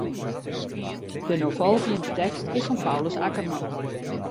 De no folgjende tekst is fan Paulus Akkerman.